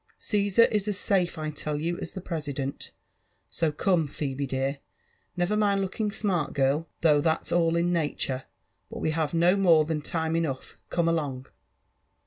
Caesar is as safe, I tell you, as die President ;?^ so come, Phebe dear) nevor tniod looking smart, girl, '—though that s all in natUM ; but we have BO more than time enough ; ^come along."